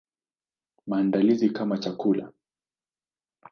Maandalizi kama chakula.